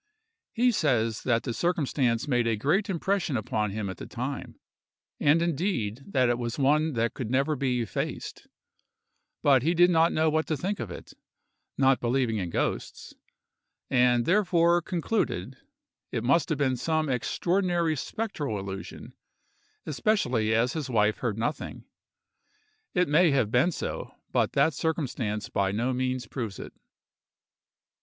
He says that the circumstance made a great impression upon him at the time; and, indeed, that it was one that could never be effaced; but he did not know what to think of it, not believing in ghosts, and therefore concluded it must have been some extraordinary spectral illusion, especially as his wife heard nothing. It may have been so; but that circumstance by no means proves it.